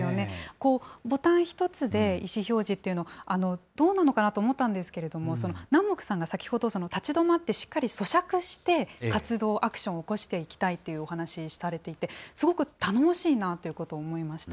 こう、ボタン一つで意思表示っていうの、どうなのかなと思ったんですけど、南木さんが先ほど、立ち止まってしっかりそしゃくして、活動、アクションを起こしていきたいというお話しされていて、すごく頼もしいなということを思い